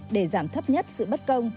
để giảm thấp nhất sự bất công